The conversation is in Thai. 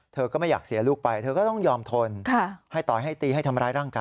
เธอก็ไม่อยากเสียลูกไปเธอก็ต้องยอมทนให้ต่อยให้ตีให้ทำร้ายร่างกาย